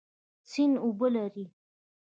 سیند اوبه لري